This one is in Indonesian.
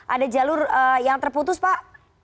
ada jalur yang terputus pak